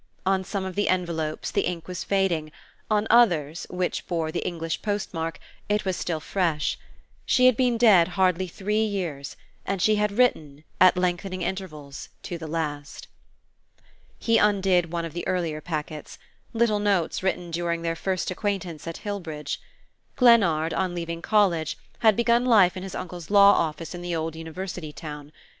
On some of the envelopes the ink was fading; on others, which bore the English post mark, it was still fresh. She had been dead hardly three years, and she had written, at lengthening intervals, to the last.... He undid one of the earlier packets little notes written during their first acquaintance at Hillbridge. Glennard, on leaving college, had begun life in his uncle's law office in the old university town.